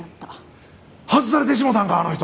外されてしもうたんかあの人！